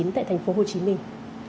tại thành phố hồ chí minh